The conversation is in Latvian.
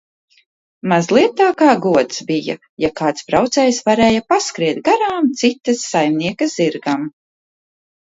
Mazliet tā kā gods bija, ja kāds braucējs varēja paskriet garām cita saimnieka zirgam.